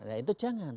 nah itu jangan